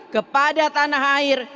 kepada tanah air